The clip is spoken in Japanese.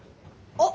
あっ！